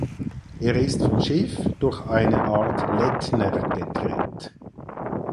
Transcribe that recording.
Er ist vom Schiff durch eine Art Lettner getrennt.